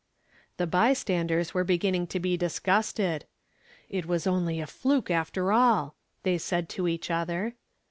The bystanders were beginning to be disgusted. "It was only a fluke after all," they said to each other.